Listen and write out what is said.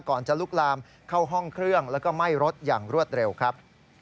จะลุกลามเข้าห้องเครื่องแล้วก็ไหม้รถอย่างรวดเร็วครับ